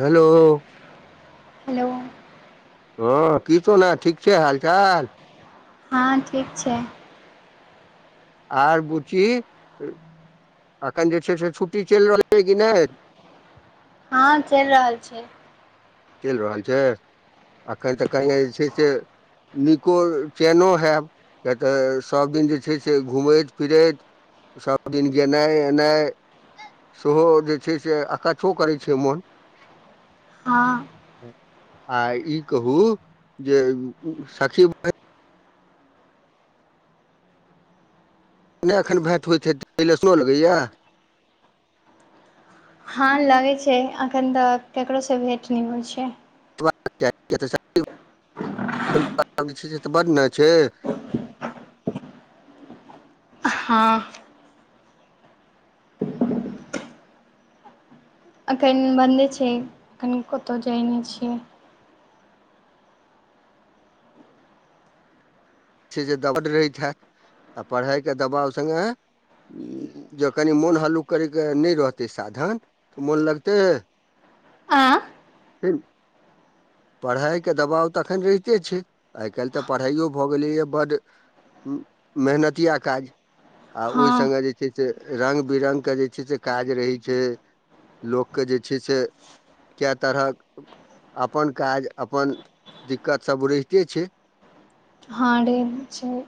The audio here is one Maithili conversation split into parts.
हेलो हेलो हँऽ की सोना ठीक छैय हाल चाल हँ ठीक छैय आर बुची अखन जे छै से छुट्टी चलि रहलै कि नहि। हँ चलि रहल छै चलि रहल छैय एखनि तऽ कनि जे छैय से निको चेनो हैब किएक तऽ सबदिन जे छैय से घूमैत फिरैत सब दिन गनाय एना सेहो जे छै से आकाछो करै छै मोन हँ आ ई कहू जे सखी बहिन नहि एखन भायइत होइत हे तऽ कहिलसनो लगैया हँ लगैत छै अखन तऽ केकरोसँ भेट नहि होइत छै। [unintelligible] से तऽ बड्ड ने छै। हँ एखन बन्दे छै एखन कतहु जाइ नहि छियै। जे दब रहैत हेत आ पढ़ाई के दबाव सङ्गे जँ कनि मोन हल्लुक करयके नहि रहतै साधन तऽ मोन लगते आँ [inaudible] पढ़ाई के दबाव तऽ अखन रहिते छै आइ काल्हि तऽ पढ़ाइयो भऽ बोलिये बढ़ म मेहनती आ काज आऊ हँ सगे जे - जे छै से र्ंग बिरङ्ंग के जे छै से काज रहै छै लोक के जे छै से कए तरहक अपन काज अपन दिक्कत सभ रहिते छै। हाँ रहे छै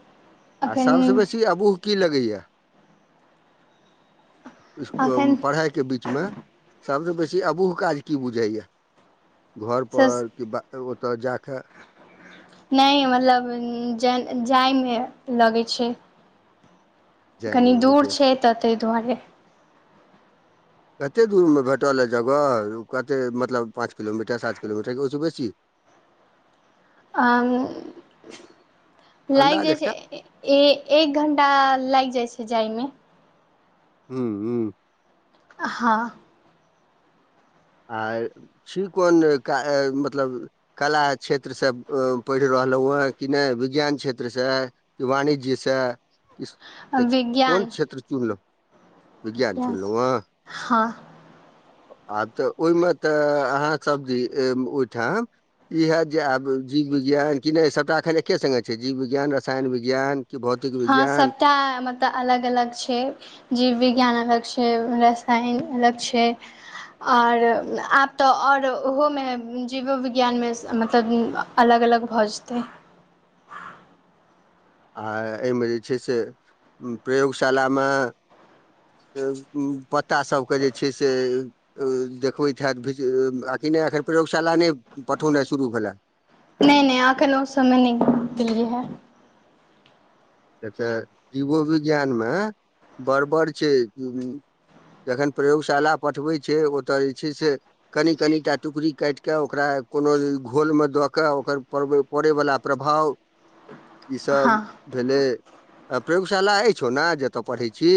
आ अखन सभसँ बेसी अबूह की लगाइए कुछ एखन पढ़ाई के बीच मे सबस बेसी अबूह काज की बुझै या घर स पर कि बा ओतय जा कऽ नहि मतलब जाइमे लगैत छै। कनी जायमे लगै दूर छै तऽ ताहि दुआरे। कते दूर मे भेटल ह जगह कते मतलब पांच किलोमीटर सात किलोमीटर के ओहिसँ बेसी। आ लागि अन्दाज जाइ एकटा छै एक घंटा लागि जाइ छै जायमे। हू हू हँ आ छी कोन क मतलब कला क्षेत्र से पढ़ि रहलहुँ हँ कि नय विज्ञान क्षेत्र से कि वणी जी सँ किऽ कोन क्षेत्र चुनलहुँ विज्ञान अचछा चुनलहुँ हेँ हँ आब तऽ ओहिमे तऽ अहाँ सब्जी ओहिठाम ई हयत जे आब जीव विज्ञान कि नहि सबटा अखन एके स्गे छै जीव विज्ञान रसायन विज्ञान कि बहुत हँ सबटा मत तऽ अलग अलग छै जीवविज्ञान अलग छै रसायन अलग छै आओर आब तऽ आओर ओहोमे जीवो विज्ञान मे मतलब अलग अलग भऽ जेतै आ एहिमे जे छै से प्रयोगशाला मे पत्ता सभ के जे छै से देखबैत हैत भ आ कि नहि एखन प्रयोगशाला नहि पठौनाइ शुरू भेलए। नहि नहि आक ल समय नहि मिली है। से तऽ जीवो विज्ञानमे बड़बड़ छै जखन प्रयोगशाला पठबै छै ओतय जे छै से कनि कनि टा टुकड़ी काटि कऽ ओकरा कोनो घोलमे दऽ कऽ ओकर प पड़ै वला प्रभाव [inaudible] ईसभ भेलै आ प्रयोगशाला अछि ने जतय पढ़ैत छी।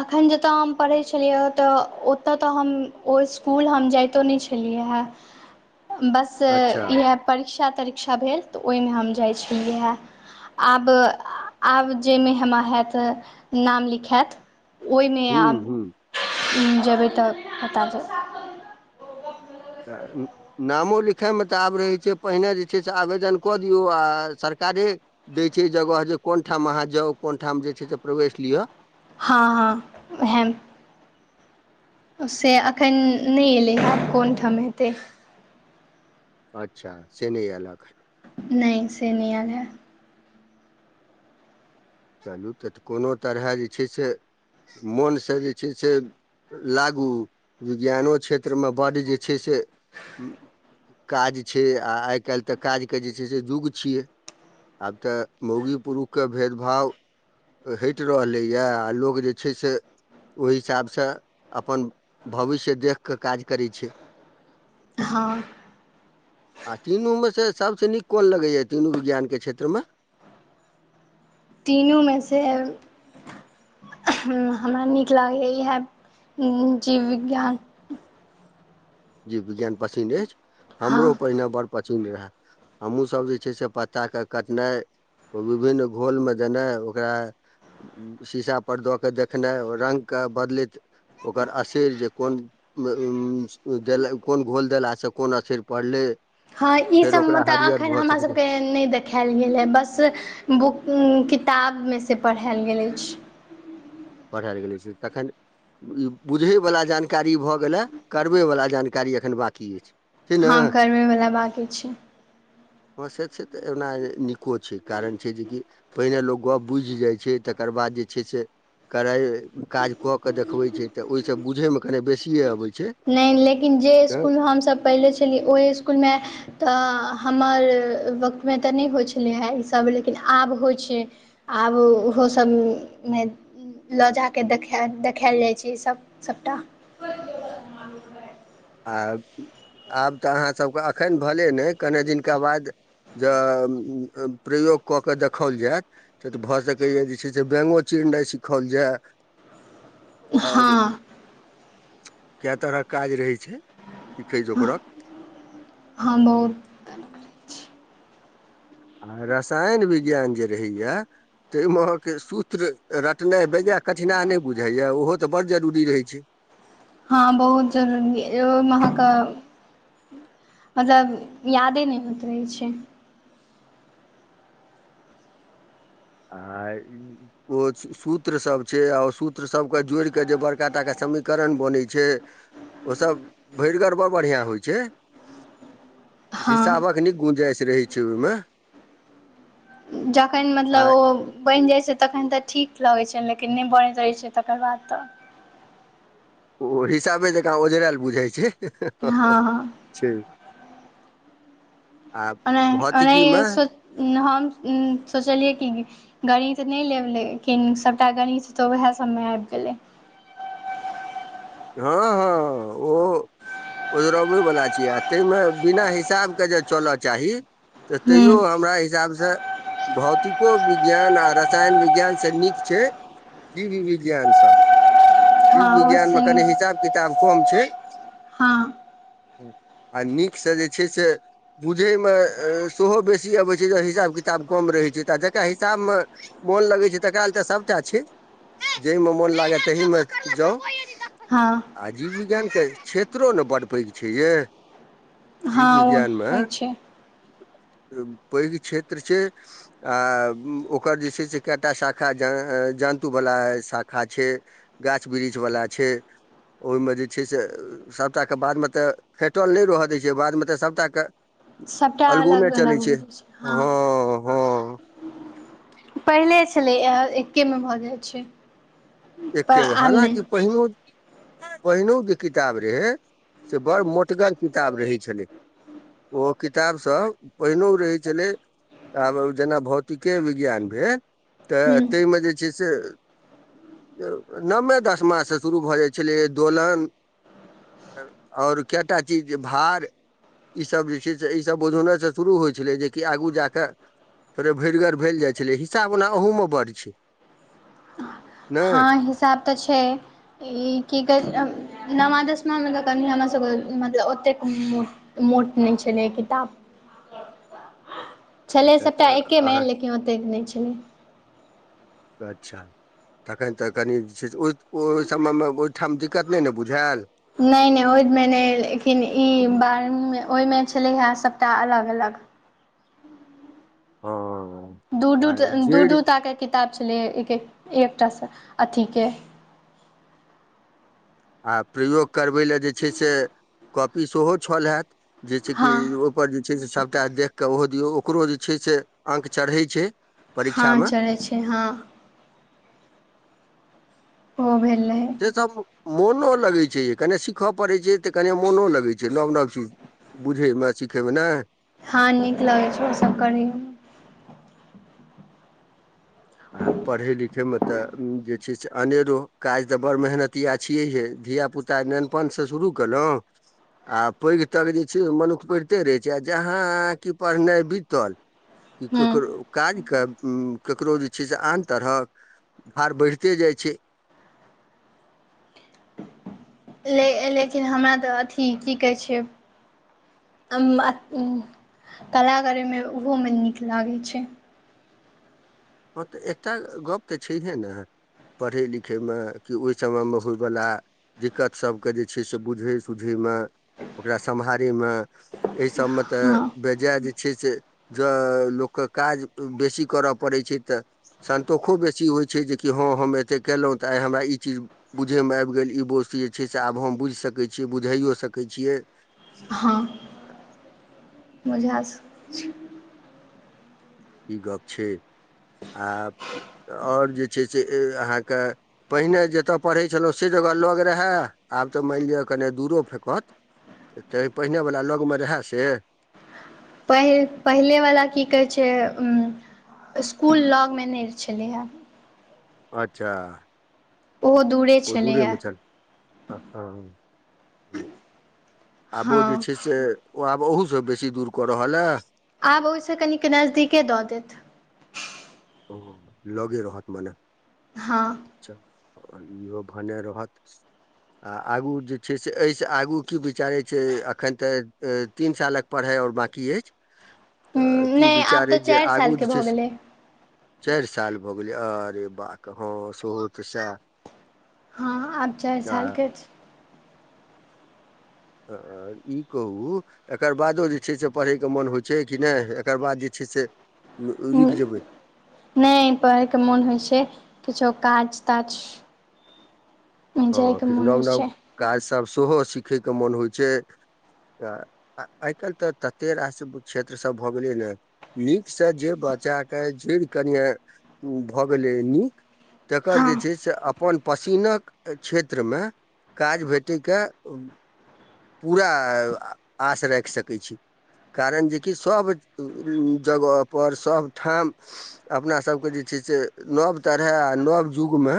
अखन जतय हम पढ़ै छलियै तऽ ओतय तऽ हम ओ इस्कुल हम जाइतो नहि छलियै हँ बस अच्छा इएह परीक्षा तरीक्षा भेल तऽ ओहिमे हम जाइत छलियै हे आब आब जाहिमे हमरा हैत नाम लिखायत ओहिमे हूँ आब जेबै तऽ बता तऽ उँ नामो लिखयमे तऽ आब रहै छै पहिने जे छै से आवेदन कऽ दियौ आ सरकारे दै छै जगह जे कोन ठाम अहाँ जाउ कोन ठाम जे छै से प्रवेश लिअ हाँ हाँ हाँ से एखन नहि एलै हें आब कोन ठाम हेतै अच्छा से नहि आयल नहि से नहि आयल या चलू तऽ तऽ कोनो तरहे जे छै से मोनसँ जे छै से लागू विज्ञानो क्षेत्रमे बड्ड जे छै से काज छै आ आइ काल्हि तऽ काजके जे छै से युग छियै आब तऽ मौगी पुरुख के भेद भाव हटि रहलैए आ लोक जे छै से ओहि हिसाबस अपन भविष्य देख कऽ काज करै छै हाँ आ तीनूमे से सभसँ नीक कोन लगैए तीनू विज्ञानके क्षेत्रमे तीनूमेसँ हमरा नीक लागैए इहाए जीव विज्ञान जीव विज्ञान पसिन्न अछि हमरो हँ पहिने बड़ पसिन्न रहाए हमहूँसभ जे छै से पत्ताके कटनाइ ओ विभिन्न घोलमे देनाय ओकरा शीशा पर दऽ कऽ देखनाइ रंग के बदलैत ओकर असैर जे कोन उ- उँ देल कोन घोल देलास से कोन असैर पड़लै हाँ ई फेर सब ओकरा मतलब हरियर अखन भऽ हमरा सकै छै सबके नहि देखायल गेल ह बस बुक किताबमेसे पढ़ायल गेल अछि पढ़ायल गेलै तखन ई बुझे वाला जानकारी भए गेले करबे वाला जानकारी एखन बांकी अछि छै ने हाँ करबै बला बांकी छै हाँ से छै एना नीको छै कारण छै जेकि पहिने लोक गप्प बुझि जाइत छै तकर बाद जे छै से करय काज कऽ के देखबे छै तऽ ओहिसँ बुझे मे कने बेसिये अबै छै नहि लेकिन जे तऽ इसकुलमे हमसभ पहिनेे छलियै ओहि इसकुलमे तऽ हमर वक्तमे तऽ नहि होइत छलै हेँ ईसभ लेकिन आब होइ छै आब ओहो सभमे लऽ जााकऽ देख देखायल जाइ छै सभ सभटा [unintelligible] आ आब तऽ अहाँसभके एखन भले नहि कने दिनका बाद जे प्रयोग कऽ कऽ देखाओल जायत तऽ तऽ भऽ सकैए जे छै से बैंगो चिरनाइ सीखाओल जाय आओर हँ कय तरहक काज रहै छै सिखै जोकरक हाँ बहुत आ रसायन विज्ञान जे रहै या त अई महक सूत्र रटनाइ बेजा कठिनाई नै बुझायया ओहो तऽ बड़ जरूरी रहै छै हँ बहुत जरुरी ये यै महका मतलब यादे नै होइत रहै छै आई ओछ सूत्र सब छै आ सूत्र सबके जोड़ि कऽ जे बड़का टा के समीकरण बनै छै ओ सब भरि गर ब बढ़ियां होइ छै हँ हिसाबक नै गुंजाइश रहै छै ओईमे जखैन आ मतलब ओ बनि जाइ छै तखन तऽ ठीक लगै छै लेकिन नै बनैत रहैत छै तकर बाद तऽ ओ हिसाबे जकाँ ओझराल बुझाइ छै। हँ हँ छै आ ओने ओने भौतिकीमे हँ हम सोचलियै कि गणित नै लेब लेकिन सबटा गणित तऽ उएह सबमे आबि गेलै हँ हँ ओ ओझरबै बला छियै आ ताईमे बिना हिसाब के जे चलय चाही तऽ हूँ तैयो हमरा हिसाबसँ भौतिको विज्ञान आ रसायन विज्ञान स नीक छै जिविविज्ञान सब जीव हँ विज्ञान मे ओहिसँ कनि हिसाब किताब कम छै हँ आ नीकसँ जे छै से बुझैमे सोहो बेसी अबै छै जे हिसाब किताब कम रहै छै तऽ आ जकरा हिसाबमे मोन लगै छै तकरा ले तऽ सबटा छै जाहिमे मोन लागे तहिमे जाउ हँ आ जीविविज्ञानके क्षेत्रो ने बड्ड पैघ छै यै जी हँ ओ विज्ञानमे, तऽ छै पैघ क्षेत्र छै आ ओकर जे छै से कएटा शाखा जन्तुवला शाखा छै गाछ वृक्ष वला छै ओयमे जे छै से सबटा के बादमे तऽ फेटल नै रहय दै छै बादमे तऽ सबटा के सभटा अलगु मे अलग अलग चलै छै हो जाइ हँ हँ पहिले छलै हे एक्के मे भऽ जाइ छै एक पर गो आब नहि हालांकि पहिनो पहिनौ के किताब रहै से बड़ मोटगर किताब रहै छलै ओ किताब सब पहिनो रहै छलै आब जेना भौतिके विज्ञान भेल तऽ हूँ ताहिमे जे छै से नवमे दसमा सँ शुरू भऽ जाइ छलै दोलन आओर केएटा चीज जे भार ई सब जे छै से ई सब बुझौनै से शुरू होइ छलै जेकि आगू जा क थोड़े भरिगर भेल जाइ छलेै हिसाब ओना ओहू मे बड़ छै। ने हँ हिसाब तऽ छै ई की कहै छै नवमा दसमा मे कनि हमरा सबके मतलब ओतेक मोट मोट नै छलैय किताब छलै अच्छा सबटा एकेमे अहाँ लेकिन ओतेक नै छलै। तऽ अच्छा तखन तऽ कनि जे छै से ओय समय मे ओहिठाम दिक्कत नै ने बुझायल नै नै ओईमे नै लेकिन ई बारहवीं मे ओइमे छलै हे सबटा अलग अलग ओऽ दू दू दू दूटा ता हे किताब छलै एक एकटासँ अथीके, आ प्रयोग करबै लए जे छै से कॉपी सेहो छल जेस कि, हँ पर जे छै से सभटा देख कऽ ओहो दियौ ओकरो जे छै से अंक चढ़ै छै। परीक्षामे हँऽचढ़ै छै हँऽ ओ भेल रहैऽ से सभ मोनो लगै छै जे कनी सीखय पड़ैत छै तऽ कनि मोनो लगैत छै नव नव चीज बुझै मे सीखै मे नय हॅं नीक लगैत छै ओ सभ करै मे आऽ पढ़ै लिखै मे तऽ जे छै से अनेरो काज तऽ बड़ मेहनतिया छियै हिए धिया पुता त नेनपान से शुरू केलोऊ। आ पैघ तक जे छै मनुख पढ़िते रहै छै आ जहाँ कि आहा की पढ़नाइ बीतल। कि हूँ ककरो काज क केकरो जे, छै से आन तरहक भार बढ़िते जाइ छै। ल लेकिन हमरा तऽ अथी की कहै छै। कला करैमे ओहुँमे नीक लागै छै। हँ तऽ एकटा गप तऽ छैहि ऐन। पढ़य लिखयमे कि ओहि समयमे होयवला, दिक्कत सभकेँ जे छै से बुझै सुूझयमे ओकर समहारे में। ऐ सभमे तऽ हँ बेजाय जे छै से, ज लोकके काज बेसी करय पड़ैत छै। तऽ सतोषो बेसी होइ छै जेकि हँ हम एतेक केलहुँ तऽ आइ हमरा ई चीज, बुझयमे आबि गेल ई बोस्त जे छै से आब हम बुझि सकैत छियै बुझाइयो सकैत छियै। हँऽ बुझा सकै छी ई गप छै आ ओर जे छै से अहाँक, पहिने जतय पढ़ै छलहुँ से जगह लग रहय आब तऽ मानि लिअ कने दूरो फेंकत। तऽ पहिनेवला लगमे रहए से। पहिल पहिलेवला की कहै छै इसकुल लगमे नय छलै हेँ। अच्छाऽ ओहो दूरे ओ छलैए दूरेमे छल हँ हं आबो जे हँ छै से ओ आब अहूसँ बेसी दूर कऽ रहल अ। आब ओइ स कनिक नजदीके दऽ देत। लगे रहतऽ भने हँऽ अच्छाइहोऽ भने रहतऽ आ आगू जे छै से एहिसँ आगू की विचारै छै एखन तऽ तीन सालक पढ़ाई और बाकीअछि। ह नयआब तऽ जे चाइर आगू साल जे के छै भऽ से गेलै। चारि साल भऽ गेलै अरे ब हँ सो होतऽ स। हँ आब चारि सालके छैय। आ ई कहुऽ एकर बादो जे छै से पढ़यके मोन होइ छै कि नहि एकर बाद जे छै से रुक जेबै। नै पड़है केँ मोन होइ छै किछो काज ताज। जाय कऽ मन हो छै। काज सब सेहो सिखै कऽ मोन होइ छै। तऽ आइ काइल तऽ तते रास क्षेत्र सभ भऽ गेलै न। नीक से जे बच्चा जेड़ कनिए भऽ गेलै नीक तकर हँ जे छै से अपन पसिनाक क्षेत्र में काज भेटैकऽ पूरा आश रैख सकै छी। कारण जेकि सब [unintelligible] जगह पर सभ ठाम अपना सब केँ जे छै से नव तरहे आ नव जुग में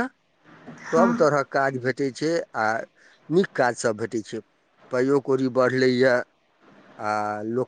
सभ हँ तरहक काज भेटैत छै आ नीक काज सभ भेटै छै। पाइयो कौड़ी बड़लैए [inaudible] आ लोक